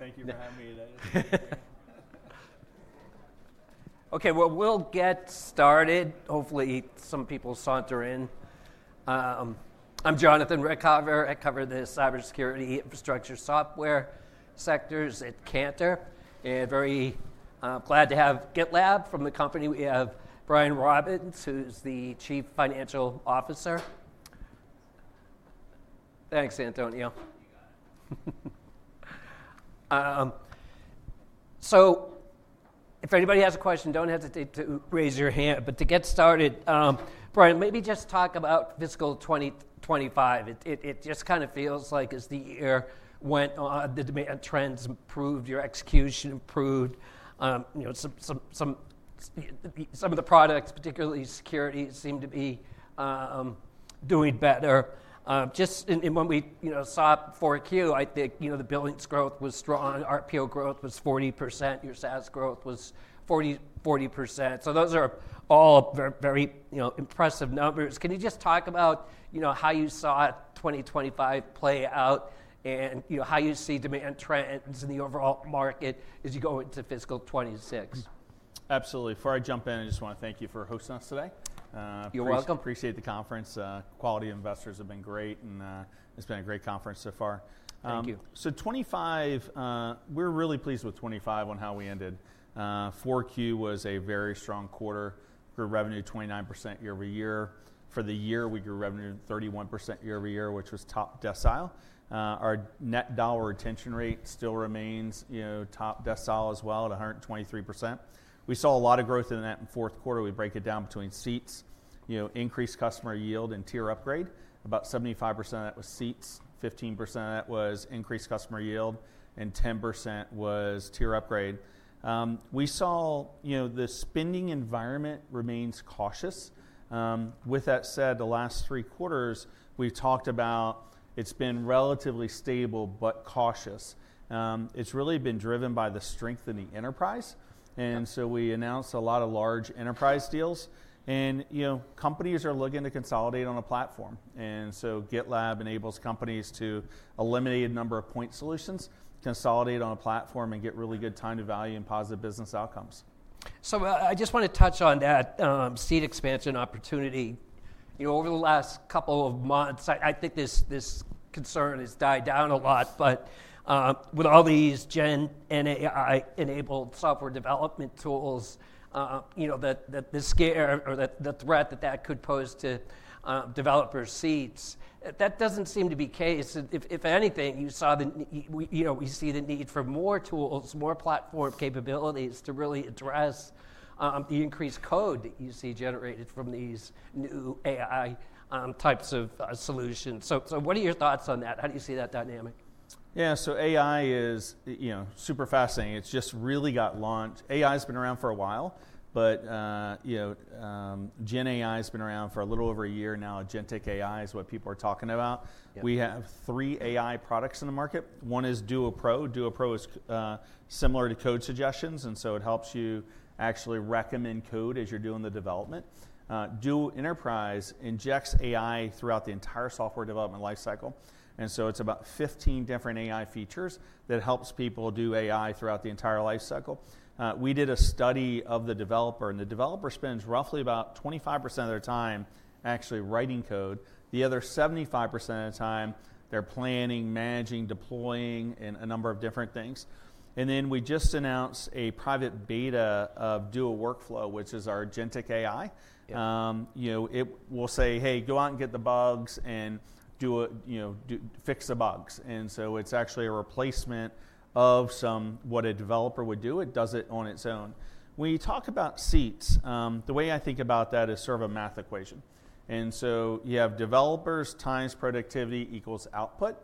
Thank you for having me today. Okay, we'll get started. Hopefully, some people saunter in. I'm Jonathan Ruykhaver. I cover the cybersecurity infrastructure software sectors at Cantor, and very glad to have GitLab from the company. We have Brian Robins, who's the Chief Financial Officer. Thanks, Antonio. If anybody has a question, don't hesitate to raise your hand. To get started, Brian, maybe just talk about fiscal 2025. It just kind of feels like as the year went, the demand trends improved, your execution improved. Some of the products, particularly security, seem to be doing better. Just in when we saw 4Q, I think the billing's growth was strong. RPO growth was 40%. Your SaaS growth was 40%. Those are all very impressive numbers. Can you just talk about how you saw 2025 play out and how you see demand trends in the overall market as you go into fiscal 2026? Absolutely. Before I jump in, I just want to thank you for hosting us today. You're welcome. Appreciate the conference. Quality investors have been great, and it's been a great conference so far. Thank you. Twenty-five, we're really pleased with twenty-five on how we ended. Q4 was a very strong quarter. Grew revenue 29% year-over-year. For the year, we grew revenue 31% year-over-year, which was top decile. Our net dollar retention rate still remains top decile as well at 123%. We saw a lot of growth in that in fourth quarter. We break it down between seats, increased customer yield, and tier upgrade. About 75% of that was seats, 15% of that was increased customer yield, and 10% was tier upgrade. We saw the spending environment remains cautious. With that said, the last three quarters, we've talked about it's been relatively stable, but cautious. It's really been driven by the strength in the enterprise. We announced a lot of large enterprise deals, and companies are looking to consolidate on a platform. GitLab enables companies to eliminate a number of point solutions, consolidate on a platform, and get really good time to value and positive business outcomes. I just want to touch on that seat expansion opportunity. Over the last couple of months, I think this concern has died down a lot. With all these GenAI-enabled software development tools, the scare or the threat that that could pose to developer seats, that does not seem to be the case. If anything, we see the need for more tools, more platform capabilities to really address the increased code that you see generated from these new AI types of solutions. What are your thoughts on that? How do you see that dynamic? Yeah, so AI is super fascinating. It's just really got launched. AI has been around for a while, but GenAI has been around for a little over a year now. Agentic AI is what people are talking about. We have three AI products in the market. One is Duo Pro. Duo Pro is similar to code suggestions, and so it helps you actually recommend code as you're doing the development. Duo Enterprise injects AI throughout the entire software development lifecycle. It's about 15 different AI features that helps people do AI throughout the entire lifecycle. We did a study of the developer, and the developer spends roughly about 25% of their time actually writing code. The other 75% of the time, they're planning, managing, deploying, and a number of different things. We just announced a private beta of Duo Workflow, which is our GenAI. It will say, "Hey, go out and get the bugs and fix the bugs." It is actually a replacement of what a developer would do. It does it on its own. When you talk about seats, the way I think about that is sort of a math equation. You have developers times productivity equals output.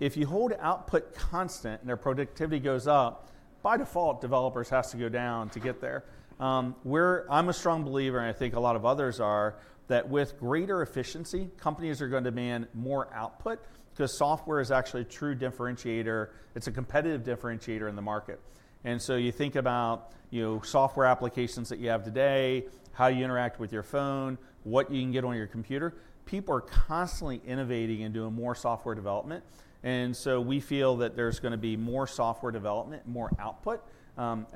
If you hold output constant and their productivity goes up, by default, developers have to go down to get there. I am a strong believer, and I think a lot of others are, that with greater efficiency, companies are going to demand more output because software is actually a true differentiator. It is a competitive differentiator in the market. You think about software applications that you have today, how you interact with your phone, what you can get on your computer. People are constantly innovating and doing more software development. We feel that there's going to be more software development, more output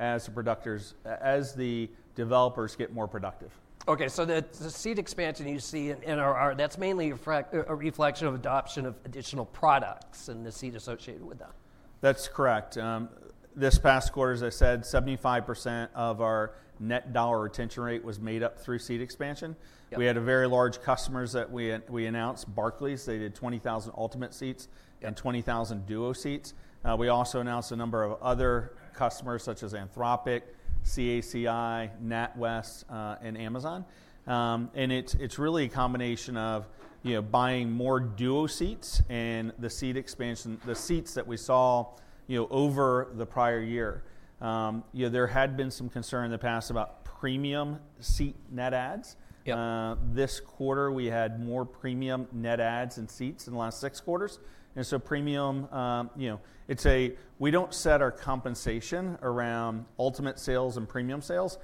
as the developers get more productive. Okay, so the seat expansion you see in our ARR, that's mainly a reflection of adoption of additional products and the seats associated with that. That's correct. This past quarter, as I said, 75% of our net dollar retention rate was made up through seat expansion. We had very large customers that we announced, Barclays. They did 20,000 Ultimate seats and 20,000 Duo seats. We also announced a number of other customers such as Anthropic, CACI, NatWest, and Amazon. It is really a combination of buying more Duo seats and the seat expansion, the seats that we saw over the prior year. There had been some concern in the past about premium seat net adds. This quarter, we had more premium net adds and seats in the last six quarters. Premium, we do not set our compensation around Ultimate sales and premium sales.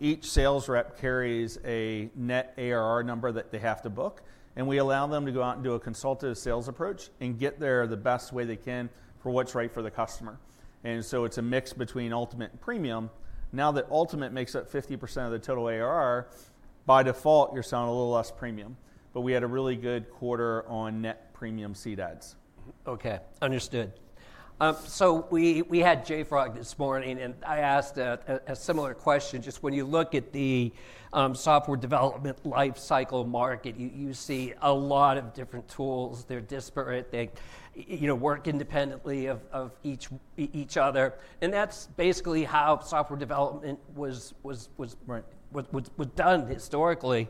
Each sales rep carries a net ARR number that they have to book, and we allow them to go out and do a consultative sales approach and get there the best way they can for what's right for the customer. It is a mix between Ultimate and Premium. Now that Ultimate makes up 50% of the total ARR, by default, you're selling a little less Premium. We had a really good quarter on net Premium seat adds. Okay, understood. We had JFrog this morning, and I asked a similar question. When you look at the software development lifecycle market, you see a lot of different tools. They're disparate. They work independently of each other. That's basically how software development was done historically.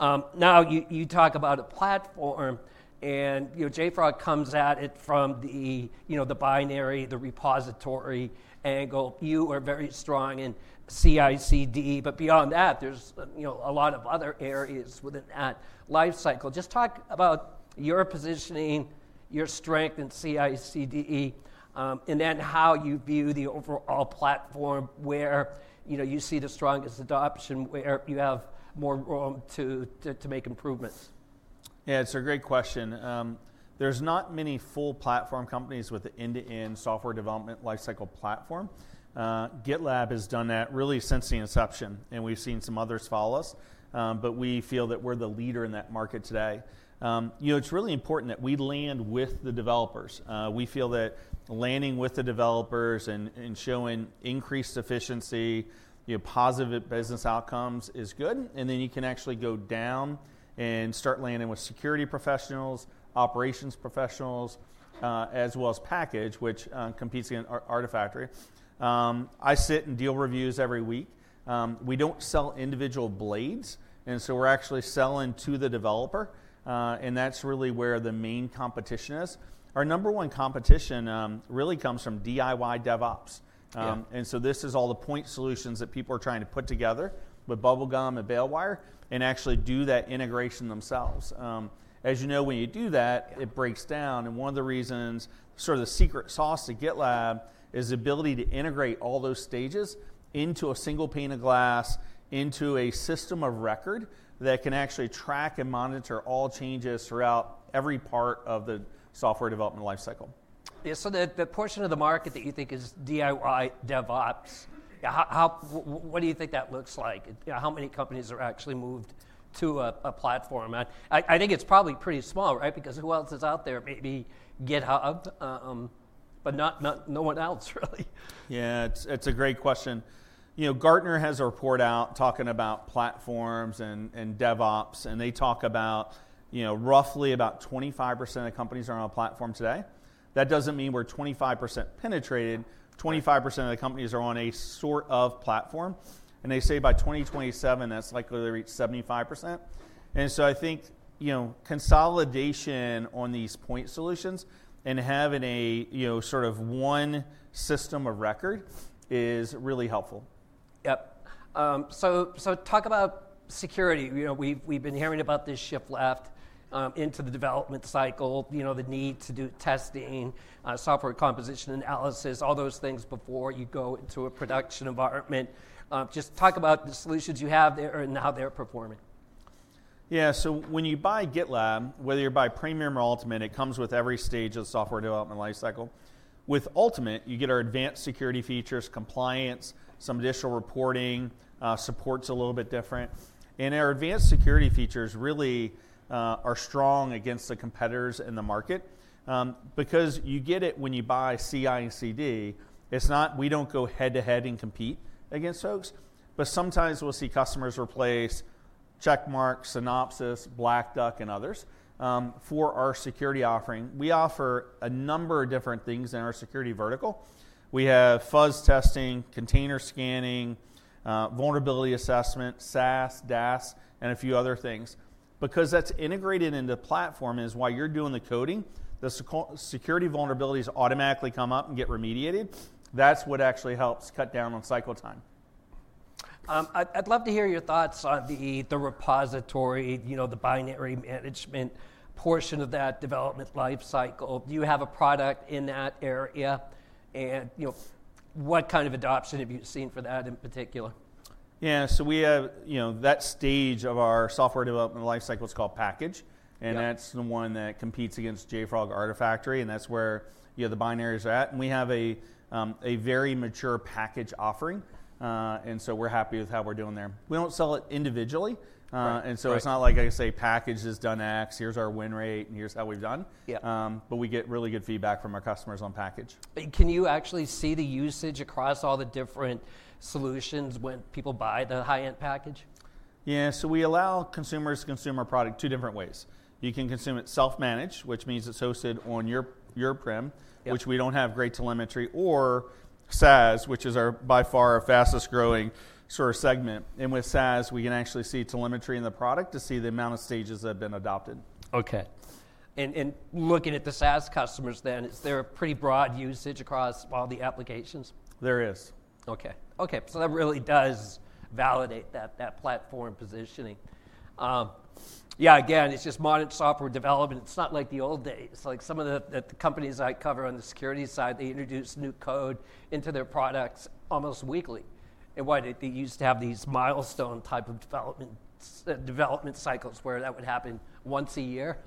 Now you talk about a platform, and JFrog comes at it from the binary, the repository angle. You are very strong in CI/CD, but beyond that, there's a lot of other areas within that lifecycle. Just talk about your positioning, your strength in CI/CD, and then how you view the overall platform where you see the strongest adoption, where you have more room to make improvements. Yeah, it's a great question. There's not many full platform companies with an end-to-end software development lifecycle platform. GitLab has done that really since the inception, and we've seen some others follow us. We feel that we're the leader in that market today. It's really important that we land with the developers. We feel that landing with the developers and showing increased efficiency, positive business outcomes is good. You can actually go down and start landing with security professionals, operations professionals, as well as Package, which competes against Artifactory. I sit and deal reviews every week. We don't sell individual blades, and so we're actually selling to the developer, and that's really where the main competition is. Our number one competition really comes from DIY DevOps. This is all the point solutions that people are trying to put together with bubble gum and bail wire and actually do that integration themselves. As you know, when you do that, it breaks down. One of the reasons, sort of the secret sauce to GitLab, is the ability to integrate all those stages into a single pane of glass, into a system of record that can actually track and monitor all changes throughout every part of the software development lifecycle. Yeah, so the portion of the market that you think is DIY DevOps, what do you think that looks like? How many companies are actually moved to a platform? I think it's probably pretty small, right? Because who else is out there? Maybe GitHub, but no one else, really. Yeah, it's a great question. Gartner has a report out talking about platforms and DevOps, and they talk about roughly about 25% of companies are on a platform today. That does not mean we are 25% penetrated. 25% of the companies are on a sort of platform. They say by 2027, that is likely to reach 75%. I think consolidation on these point solutions and having a sort of one system of record is really helpful. Yep. Talk about security. We've been hearing about this shift left into the development cycle, the need to do testing, software composition analysis, all those things before you go into a production environment. Just talk about the solutions you have there and how they're performing. Yeah, so when you buy GitLab, whether you buy Premium or Ultimate, it comes with every stage of the software development lifecycle. With Ultimate, you get our advanced security features, compliance, some additional reporting, support's a little bit different. Our advanced security features really are strong against the competitors in the market because you get it when you buy CI/CD. We don't go head-to-head and compete against folks, but sometimes we'll see customers replace Checkmarx, Synopsys, Black Duck, and others for our security offering. We offer a number of different things in our security vertical. We have fuzz testing, container scanning, vulnerability assessment, SAST, DAST, and a few other things. Because that's integrated into the platform, as you are doing the coding, the security vulnerabilities automatically come up and get remediated. That's what actually helps cut down on cycle time. I'd love to hear your thoughts on the repository, the binary management portion of that development lifecycle. Do you have a product in that area? What kind of adoption have you seen for that in particular? Yeah, that stage of our software development lifecycle is called package. That is the one that competes against JFrog Artifactory. That is where the binaries are at. We have a very mature package offering, and we are happy with how we are doing there. We do not sell it individually, so it is not like I say package has done X, here is our win rate, and here is how we have done. We get really good feedback from our customers on package. Can you actually see the usage across all the different solutions when people buy the high-end package? Yeah, so we allow consumers to consume our product two different ways. You can consume it self-managed, which means it's hosted on your prem, which we don't have great telemetry, or SaaS, which is by far our fastest growing sort of segment. With SaaS, we can actually see telemetry in the product to see the amount of stages that have been adopted. Okay. Looking at the SaaS customers then, is there a pretty broad usage across all the applications? There is. Okay. Okay, so that really does validate that platform positioning. Yeah, again, it's just modern software development. It's not like the old days. Like some of the companies I cover on the security side, they introduce new code into their products almost weekly. Why did they used to have these milestone type of development cycles where that would happen once a year?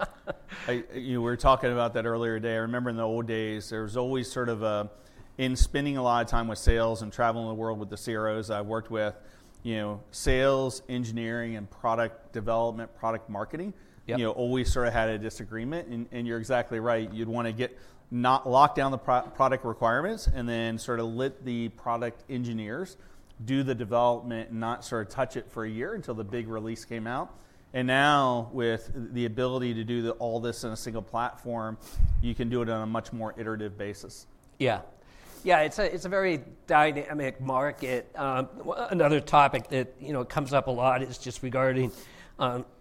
We were talking about that earlier today. I remember in the old days, there was always sort of in spending a lot of time with sales and traveling the world with the CROs I worked with, sales, engineering, and product development, product marketing always sort of had a disagreement. You're exactly right. You'd want to get not lock down the product requirements and then sort of let the product engineers do the development, not sort of touch it for a year until the big release came out. Now with the ability to do all this in a single platform, you can do it on a much more iterative basis. Yeah. Yeah, it's a very dynamic market. Another topic that comes up a lot is just regarding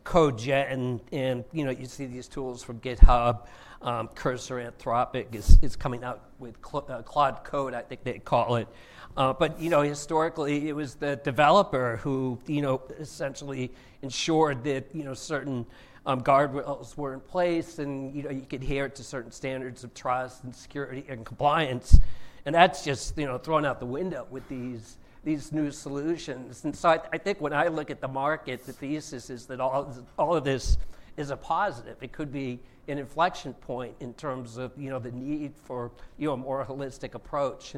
Code Gen. You see these tools from GitHub, Cursor, Anthropic is coming out with Claude Code, I think they call it. Historically, it was the developer who essentially ensured that certain guardrails were in place and you could adhere to certain standards of trust and security and compliance. That's just thrown out the window with these new solutions. I think when I look at the market, the thesis is that all of this is a positive. It could be an inflection point in terms of the need for a more holistic approach.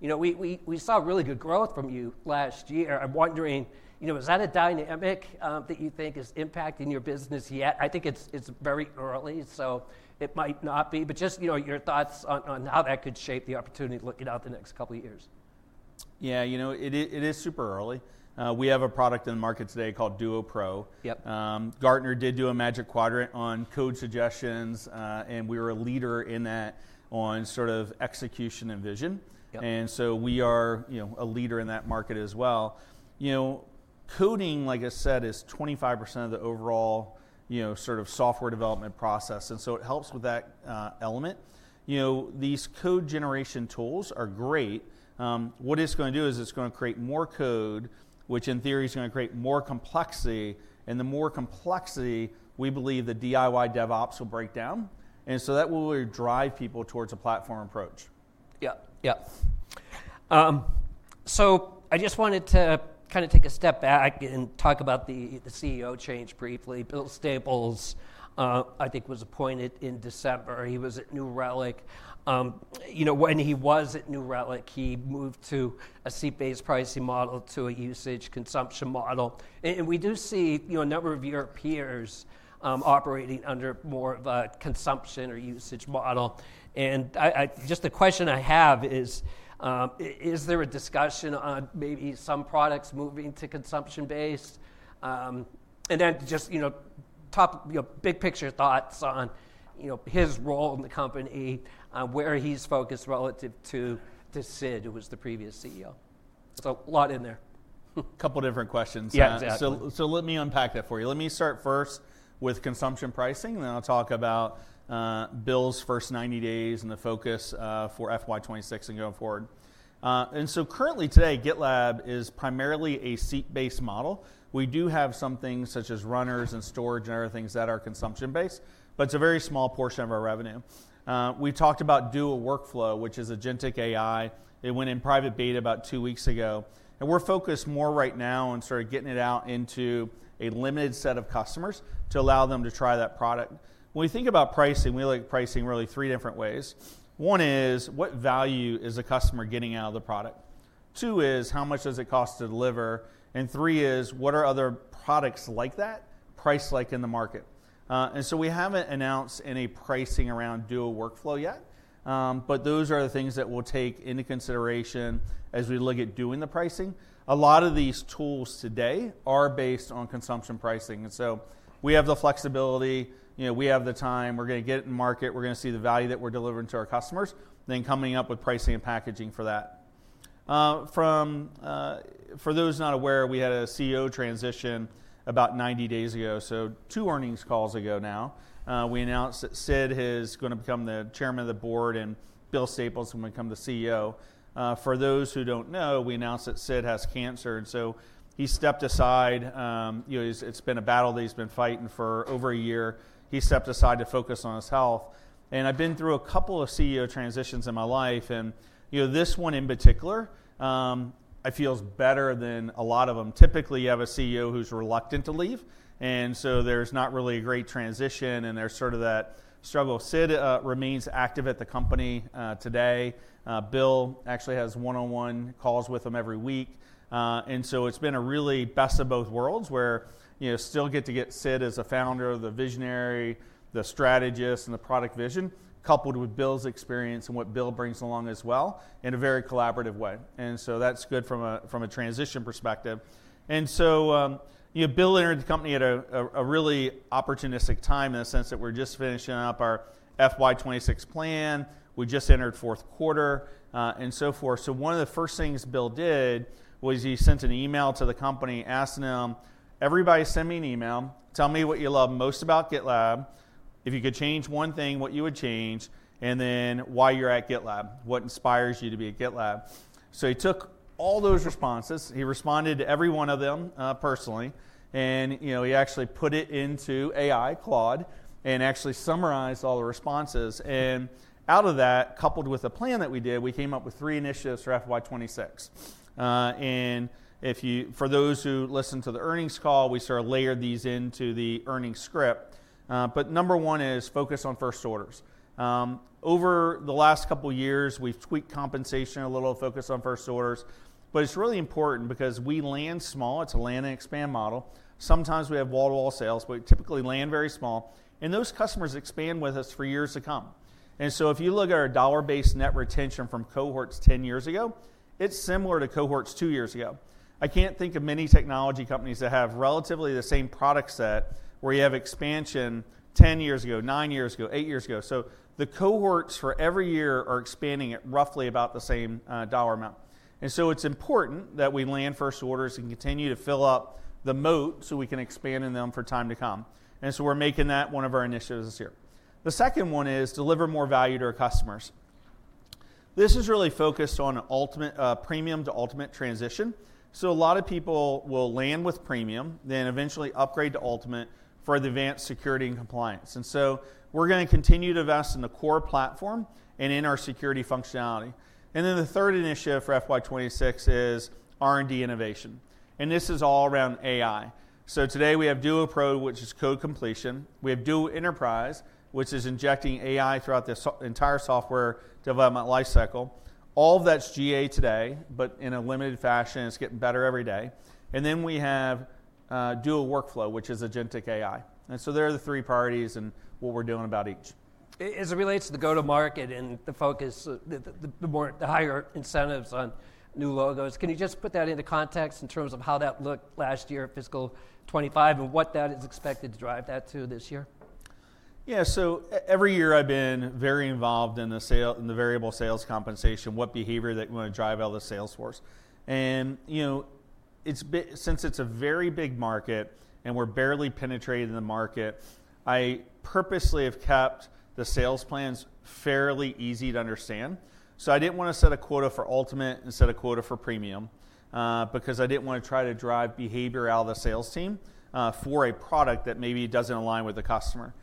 We saw really good growth from you last year. I'm wondering, is that a dynamic that you think is impacting your business yet? I think it's very early, so it might not be. Just your thoughts on how that could shape the opportunity looking out the next couple of years. Yeah, it is super early. We have a product in the market today called Duo Pro. Gartner did do a magic quadrant on code suggestions, and we were a leader in that on sort of execution and vision. We are a leader in that market as well. Coding, like I said, is 25% of the overall sort of software development process. It helps with that element. These code generation tools are great. What it's going to do is it's going to create more code, which in theory is going to create more complexity. The more complexity, we believe the DIY DevOps will break down. That will drive people towards a platform approach. Yep, yep. I just wanted to kind of take a step back and talk about the CEO change briefly. Bill Staples, I think, was appointed in December. He was at New Relic. When he was at New Relic, he moved to a seat-based pricing model to a usage consumption model. We do see a number of your peers operating under more of a consumption or usage model. The question I have is, is there a discussion on maybe some products moving to consumption-based? Just big picture thoughts on his role in the company, where he's focused relative to Sid who was the previous CEO. A lot in there. A couple of different questions. Let me unpack that for you. Let me start first with consumption pricing, and then I'll talk about Bill's first 90 days and the focus for FY 2026 and going forward. Currently today, GitLab is primarily a seat-based model. We do have some things such as runners and storage and other things that are consumption-based, but it's a very small portion of our revenue. We talked about Duo Workflow, which is a GenAI. It went in private beta about two weeks ago. We're focused more right now on sort of getting it out into a limited set of customers to allow them to try that product. When we think about pricing, we look at pricing really three different ways. One is, what value is a customer getting out of the product? Two is, how much does it cost to deliver? Three is, what are other products like that, price like in the market? We haven't announced any pricing around Duo Workflow yet, but those are the things that we'll take into consideration as we look at doing the pricing. A lot of these tools today are based on consumption pricing. We have the flexibility. We have the time. We're going to get it in market. We're going to see the value that we're delivering to our customers, then coming up with pricing and packaging for that. For those not aware, we had a CEO transition about 90 days ago, so two earnings calls ago now. We announced that Sid is going to become the Chairman of the Board, and Bill Staples is going to become the CEO. For those who don't know, we announced that Sid has cancer. He stepped aside. It's been a battle that he's been fighting for over a year. He stepped aside to focus on his health. I've been through a couple of CEO transitions in my life. This one in particular, I feel is better than a lot of them. Typically, you have a CEO who's reluctant to leave. There's not really a great transition, and there's sort of that struggle. Sid remains active at the company today. Bill actually has one-on-one calls with him every week. It's been a really best of both worlds where you still get to get Sid as a founder, the visionary, the strategist, and the product vision, coupled with Bill's experience and what Bill brings along as well in a very collaborative way. That's good from a transition perspective. Bill entered the company at a really opportunistic time in the sense that we're just finishing up our FY 2026 plan. We just entered fourth quarter and so forth. One of the first things Bill did was he sent an email to the company asking them, "Everybody send me an email. Tell me what you love most about GitLab. If you could change one thing, what you would change, and then why you're at GitLab. What inspires you to be at GitLab?" He took all those responses. He responded to every one of them personally. He actually put it into AI Claude and actually summarized all the responses. Out of that, coupled with a plan that we did, we came up with three initiatives for FY 2026. For those who listen to the earnings call, we sort of layered these into the earnings script. Number one is focus on first orders. Over the last couple of years, we've tweaked compensation a little, focused on first orders. It's really important because we land small. It's a land and expand model. Sometimes we have wall-to-wall sales, but we typically land very small. Those customers expand with us for years to come. If you look at our dollar-based net retention from cohorts 10 years ago, it's similar to cohorts 2 years ago. I can't think of many technology companies that have relatively the same product set where you have expansion 10 years ago, 9 years ago, 8 years ago. The cohorts for every year are expanding at roughly about the same dollar amount. It's important that we land first orders and continue to fill up the moat so we can expand in them for time to come. We are making that one of our initiatives this year. The second one is deliver more value to our customers. This is really focused on premium to ultimate transition. A lot of people will land with premium, then eventually upgrade to ultimate for advanced security and compliance. We are going to continue to invest in the core platform and in our security functionality. The third initiative for FY 2026 is R&D innovation. This is all around AI. Today we have Duo Pro, which is code completion. We have Duo Enterprise, which is injecting AI throughout the entire software development lifecycle. All of that is GA today, but in a limited fashion. It is getting better every day. We have Duo Workflow, which is a GenAI. These are the three priorities and what we are doing about each. As it relates to the go-to-market and the focus, the higher incentives on new logos, can you just put that into context in terms of how that looked last year, fiscal 2025, and what that is expected to drive that to this year? Yeah, so every year I've been very involved in the variable sales compensation, what behavior that's going to drive out of the sales force. Since it's a very big market and we're barely penetrating the market, I purposely have kept the sales plans fairly easy to understand. I didn't want to set a quota for Ultimate and set a quota for Premium because I didn't want to try to drive behavior out of the sales team for a product that maybe doesn't align with the customer.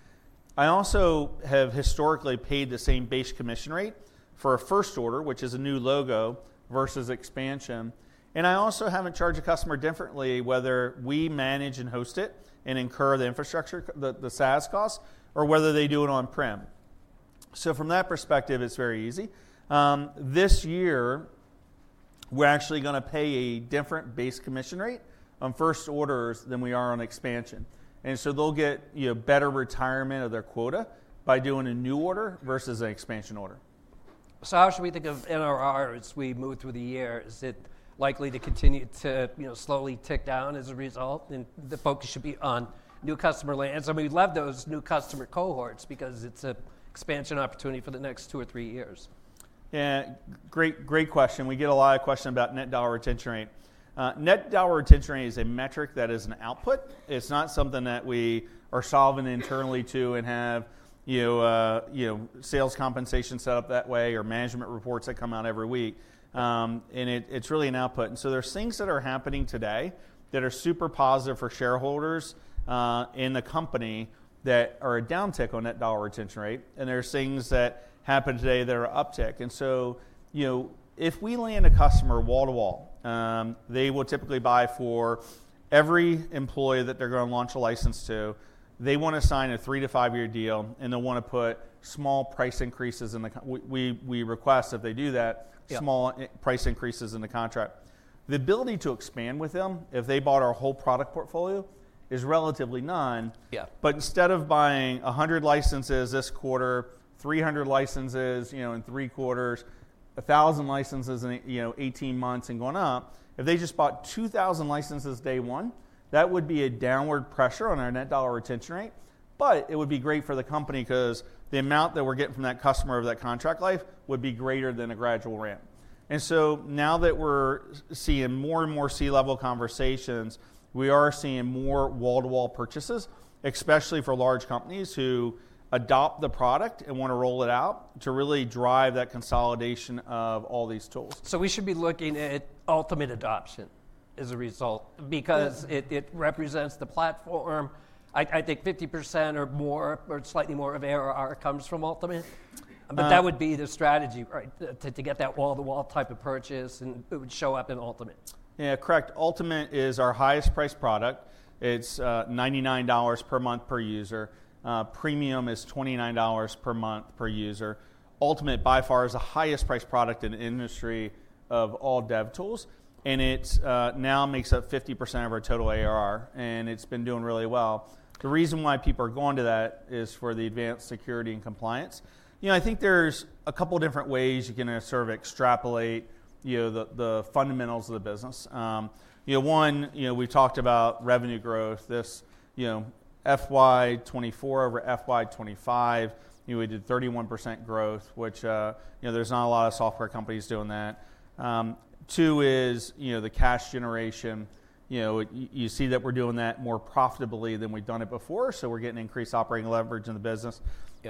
I also have historically paid the same base commission rate for a first order, which is a new logo versus expansion. I also haven't charged a customer differently whether we manage and host it and incur the infrastructure, the SaaS costs, or whether they do it on-prem. From that perspective, it's very easy. This year, we're actually going to pay a different base commission rate on first orders than we are on expansion. They will get better retirement of their quota by doing a new order versus an expansion order. How should we think of NRR as we move through the year? Is it likely to continue to slowly tick down as a result? The focus should be on new customer lands. We love those new customer cohorts because it is an expansion opportunity for the next two or three years. Yeah, great question. We get a lot of questions about net dollar retention rate. Net dollar retention rate is a metric that is an output. It's not something that we are solving internally to and have sales compensation set up that way or management reports that come out every week. It's really an output. There are things that are happening today that are super positive for shareholders in the company that are a downtick on net dollar retention rate. There are things that happen today that are uptick. If we land a customer wall to wall, they will typically buy for every employee that they're going to launch a license to. They want to sign a three to five-year deal, and they'll want to put small price increases in the—we request that they do that—small price increases in the contract. The ability to expand with them, if they bought our whole product portfolio, is relatively none. Instead of buying 100 licenses this quarter, 300 licenses in three quarters, 1,000 licenses in 18 months and going up, if they just bought 2,000 licenses day one, that would be a downward pressure on our net dollar retention rate. It would be great for the company because the amount that we're getting from that customer over that contract life would be greater than a gradual ramp. Now that we're seeing more and more C-level conversations, we are seeing more wall-to-wall purchases, especially for large companies who adopt the product and want to roll it out to really drive that consolidation of all these tools. We should be looking at Ultimate adoption as a result because it represents the platform. I think 50% or slightly more of ARR comes from Ultimate. That would be the strategy to get that wall-to-wall type of purchase, and it would show up in Ultimate. Yeah, correct. Ultimate is our highest priced product. It's $99 per month per user. Premium is $29 per month per user. Ultimate, by far, is the highest priced product in the industry of all dev tools. It now makes up 50% of our total ARR, and it's been doing really well. The reason why people are going to that is for the advanced security and compliance. I think there's a couple of different ways you can sort of extrapolate the fundamentals of the business. One, we talked about revenue growth. This FY 2024 over FY 2025, we did 31% growth, which there's not a lot of software companies doing that. Two is the cash generation. You see that we're doing that more profitably than we've done it before. We're getting increased operating leverage in the business.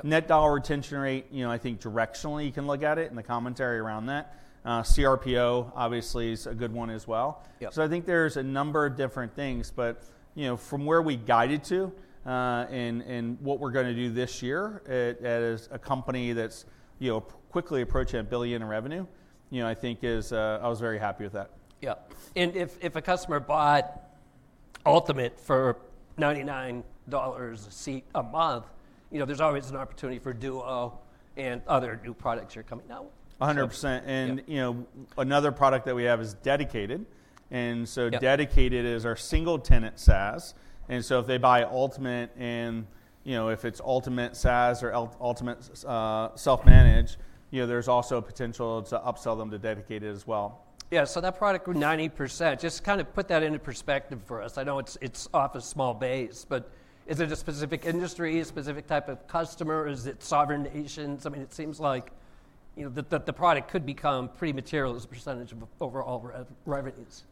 Net dollar retention rate, I think directionally you can look at it and the commentary around that. CRPO obviously is a good one as well. I think there's a number of different things. From where we guided to and what we're going to do this year as a company that's quickly approaching a billion in revenue, I think I was very happy with that. Yep. If a customer bought Ultimate for $99 a seat a month, there's always an opportunity for Duo and other new products here coming out. 100%. Another product that we have is Dedicated. Dedicated is our single-tenant SaaS. If they buy Ultimate and if it's Ultimate SaaS or Ultimate self-managed, there's also a potential to upsell them to Dedicated as well. Yeah, so that product grew 90%. Just kind of put that into perspective for us. I know it's off a small base, but is it a specific industry, a specific type of customer? Is it sovereign nations? I mean, it seems like the product could become pretty material as a percentage of overall revenues.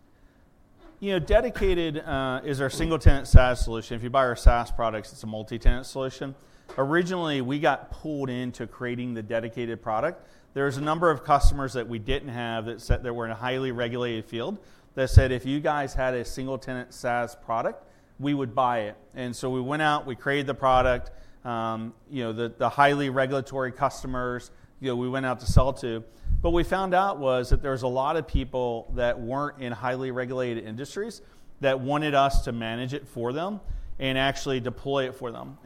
Dedicated is our single-tenant SaaS solution. If you buy our SaaS products, it's a multi-tenant solution. Originally, we got pulled into creating the dedicated product. There was a number of customers that we didn't have that were in a highly regulated field that said, "If you guys had a single-tenant SaaS product, we would buy it." We went out, we created the product, the highly regulatory customers we went out to sell to. What we found out was that there was a lot of people that weren't in highly regulated industries that wanted us to manage it for them and actually deploy it for them.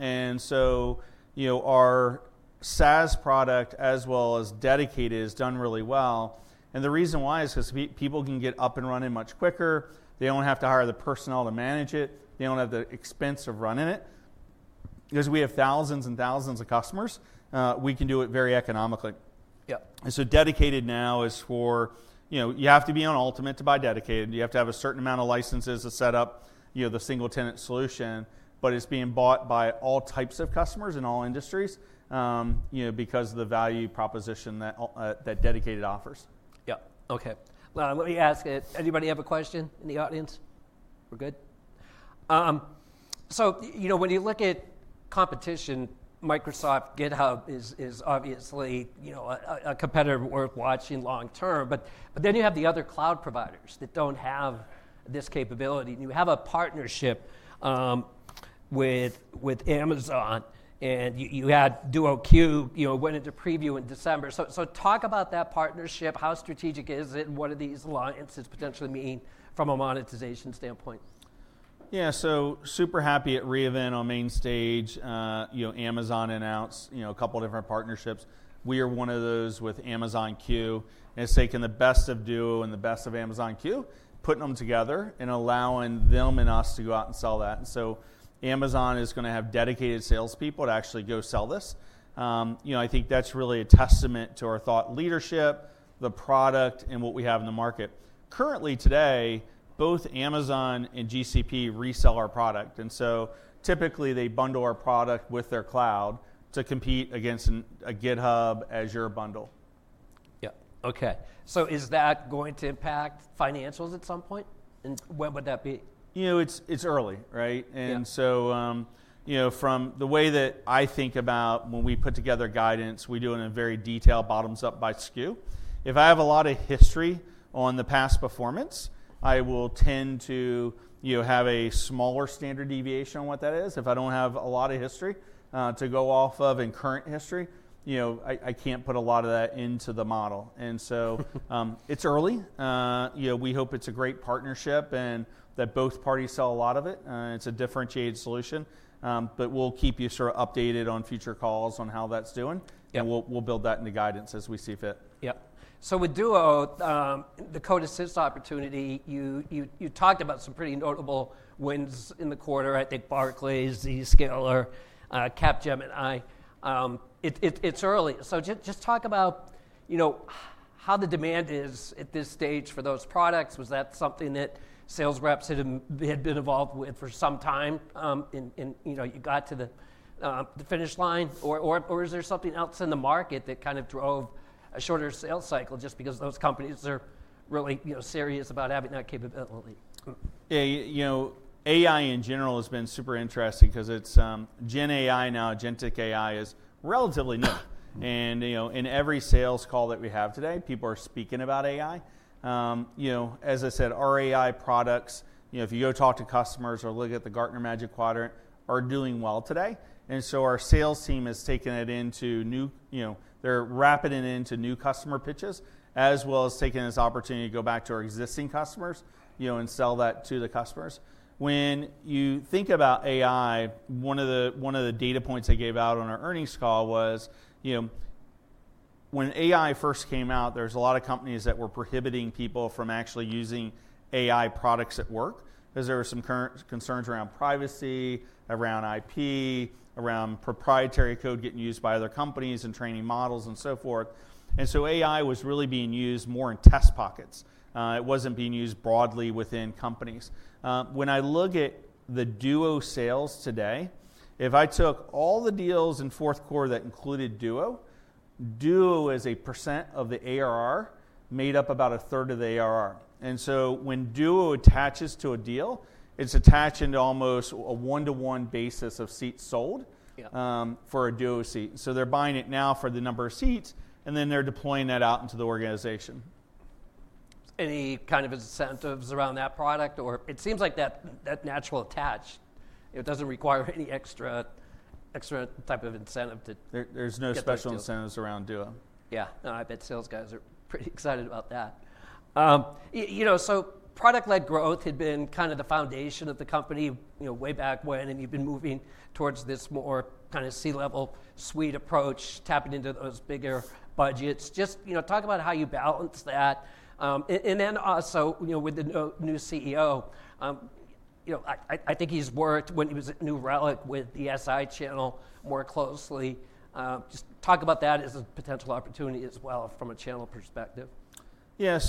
Our SaaS product, as well as dedicated, is done really well. The reason why is because people can get up and running much quicker. They don't have to hire the personnel to manage it. They don't have the expense of running it. Because we have thousands and thousands of customers, we can do it very economically. Dedicated now is for you have to be on Ultimate to buy Dedicated. You have to have a certain amount of licenses to set up the single-tenant solution. It is being bought by all types of customers in all industries because of the value proposition that Dedicated offers. Yep. Okay. Let me ask it. Anybody have a question in the audience? We're good? When you look at competition, Microsoft, GitHub is obviously a competitor worth watching long term. Then you have the other cloud providers that do not have this capability. You have a partnership with Amazon. You had Duo Q went into preview in December. Talk about that partnership. How strategic is it? What do these alliances potentially mean from a monetization standpoint? Yeah, so super happy at re:Invent on Mainstage. Amazon announced a couple of different partnerships. We are one of those with Amazon Q. It's taken the best of Duo and the best of Amazon Q, putting them together and allowing them and us to go out and sell that. Amazon is going to have dedicated salespeople to actually go sell this. I think that's really a testament to our thought leadership, the product, and what we have in the market. Currently today, both Amazon and GCP resell our product. Typically they bundle our product with their cloud to compete against a GitHub, Azure bundle. Yep. Okay. Is that going to impact financials at some point? When would that be? It's early, right? From the way that I think about when we put together guidance, we do it in a very detailed bottoms-up by SKU. If I have a lot of history on the past performance, I will tend to have a smaller standard deviation on what that is. If I do not have a lot of history to go off of and current history, I cannot put a lot of that into the model. It's early. We hope it's a great partnership and that both parties sell a lot of it. It's a differentiated solution. We will keep you sort of updated on future calls on how that's doing. We will build that into guidance as we see fit. Yep. With Duo, the code assist opportunity, you talked about some pretty notable wins in the quarter, I think Barclays, Zscaler, Capgemini, it's early. Just talk about how the demand is at this stage for those products. Was that something that sales reps had been involved with for some time and you got to the finish line? Is there something else in the market that kind of drove a shorter sales cycle just because those companies are really serious about having that capability? AI in general has been super interesting because GenAI now, GenTech AI is relatively new. In every sales call that we have today, people are speaking about AI. As I said, our AI products, if you go talk to customers or look at the Gartner Magic Quadrant, are doing well today. Our sales team has taken it into new, they're wrapping it into new customer pitches, as well as taking this opportunity to go back to our existing customers and sell that to the customers. When you think about AI, one of the data points I gave out on our earnings call was when AI first came out, there was a lot of companies that were prohibiting people from actually using AI products at work because there were some current concerns around privacy, around IP, around proprietary code getting used by other companies and training models and so forth. AI was really being used more in test pockets. It was not being used broadly within companies. When I look at the Duo sales today, if I took all the deals in fourth quarter that included Duo, Duo as a percent of the ARR made up about a third of the ARR. When Duo attaches to a deal, it is attached into almost a one-to-one basis of seats sold for a Duo seat. They're buying it now for the number of seats, and then they're deploying that out into the organization. Any kind of incentives around that product? Or it seems like that natural attach. It doesn't require any extra type of incentive to. There's no special incentives around Duo. Yeah. No, I bet sales guys are pretty excited about that. Product-led growth had been kind of the foundation of the company way back when, and you've been moving towards this more kind of C-level suite approach, tapping into those bigger budgets. Just talk about how you balance that. Also, with the new CEO, I think he's worked when he was at New Relic with the SI channel more closely. Just talk about that as a potential opportunity as well from a channel perspective. Yeah.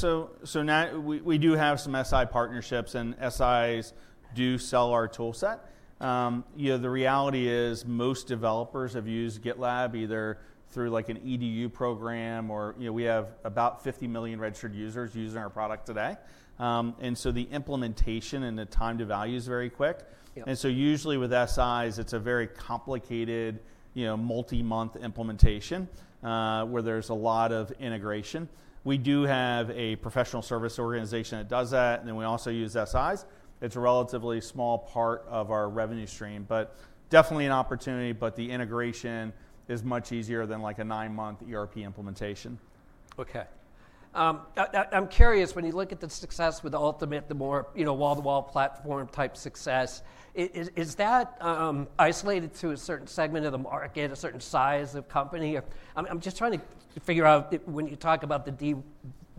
We do have some SI partnerships, and SIs do sell our toolset. The reality is most developers have used GitLab either through an EDU program, or we have about 50 million registered users using our product today. The implementation and the time to value is very quick. Usually with SIs, it's a very complicated multi-month implementation where there's a lot of integration. We do have a professional service organization that does that, and we also use SIs. It's a relatively small part of our revenue stream, but definitely an opportunity. The integration is much easier than a nine-month ERP implementation. Okay. I'm curious, when you look at the success with Ultimate, the more wall-to-wall platform type success, is that isolated to a certain segment of the market, a certain size of company? I'm just trying to figure out when you talk about the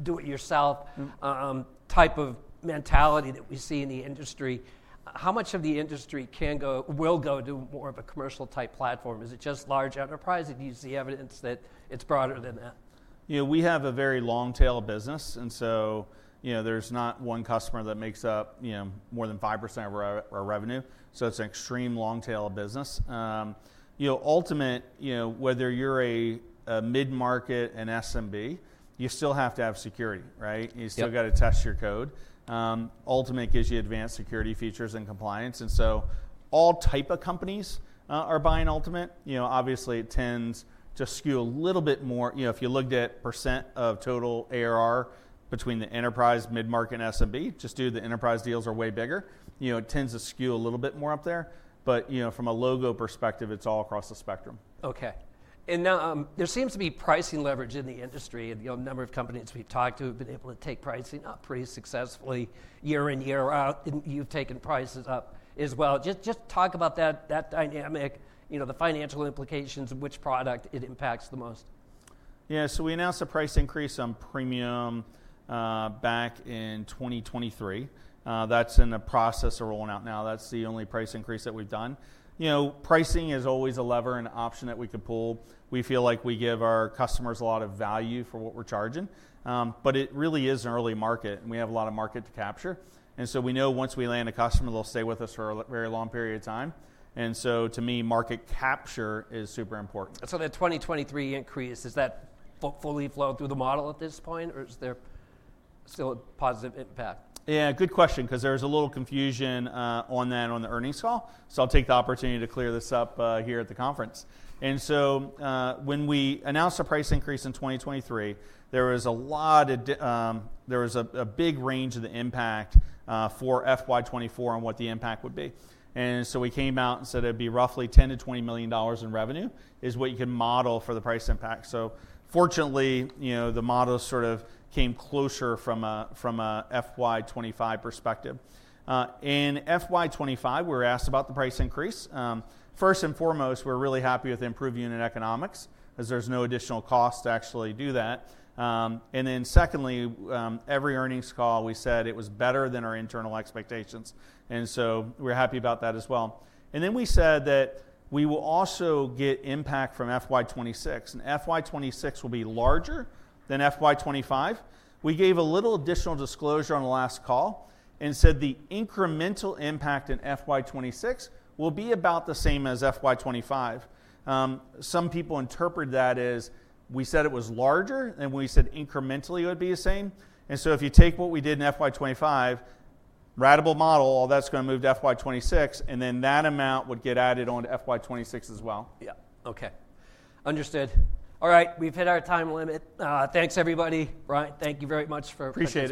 do-it-yourself type of mentality that we see in the industry, how much of the industry will go to more of a commercial type platform? Is it just large enterprise? Do you see evidence that it's broader than that? We have a very long-tail business, and so there's not one customer that makes up more than 5% of our revenue. It's an extreme long-tail business. Ultimate, whether you're a mid-market, an SMB, you still have to have security, right? You still got to test your code. Ultimate gives you advanced security features and compliance. All type of companies are buying Ultimate. Obviously, it tends to skew a little bit more. If you looked at percent of total ARR between the enterprise, mid-market, and SMB, just due to the enterprise deals are way bigger, it tends to skew a little bit more up there. From a logo perspective, it's all across the spectrum. Okay. There seems to be pricing leverage in the industry. The number of companies we've talked to have been able to take pricing up pretty successfully year in, year out. You've taken prices up as well. Just talk about that dynamic, the financial implications of which product it impacts the most. Yeah. We announced a price increase on Premium back in 2023. That is in the process of rolling out now. That is the only price increase that we have done. Pricing is always a lever and an option that we can pull. We feel like we give our customers a lot of value for what we are charging. It really is an early market, and we have a lot of market to capture. We know once we land a customer, they will stay with us for a very long period of time. To me, market capture is super important. The 2023 increase, is that fully flowing through the model at this point, or is there still a positive impact? Yeah, good question, because there was a little confusion on that on the earnings call. I'll take the opportunity to clear this up here at the conference. When we announced a price increase in 2023, there was a big range of the impact for FY 2024 on what the impact would be. We came out and said it'd be roughly $10 million-$20 million in revenue is what you can model for the price impact. Fortunately, the model sort of came closer from an FY 2025 perspective. In FY 2025, we were asked about the price increase. First and foremost, we're really happy with improved unit economics because there's no additional cost to actually do that. Secondly, every earnings call, we said it was better than our internal expectations. We're happy about that as well. We said that we will also get impact from FY 2026. FY 2026 will be larger than FY 2025. We gave a little additional disclosure on the last call and said the incremental impact in FY 2026 will be about the same as FY 2025. Some people interpret that as we said it was larger, and we said incrementally it would be the same. If you take what we did in FY 2025, ratable model, all that's going to move to FY 2026, and that amount would get added on to FY 2026 as well. Yeah. Okay. Understood. All right. We've hit our time limit. Thanks, everybody. Brian, thank you very much for.